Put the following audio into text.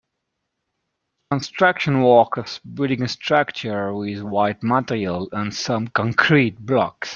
Construction workers building a structure with white material and some concrete blocks.